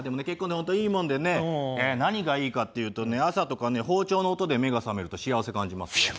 結婚って本当いいもんでね何がいいかっていうとね朝とかね包丁の音で目が覚めると幸せ感じますよ。